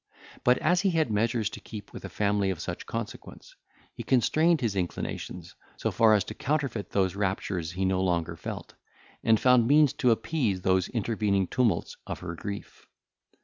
But, as he had measures to keep with a family of such consequence, he constrained his inclinations, so far as to counterfeit those raptures he no longer felt, and found means to appease those intervening tumults of her grief.